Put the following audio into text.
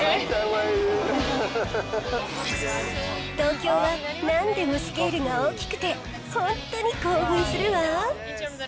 東京はなんでもスケールが大きくて、ほんとに興奮するわ！